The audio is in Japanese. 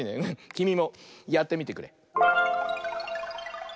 きみもやってみてくれ！